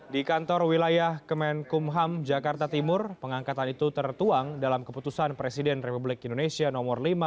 di kantor wilayah kemenkumham jakarta timur pengangkatan itu tertuang dalam keputusan presiden republik indonesia nomor lima